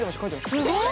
すごい！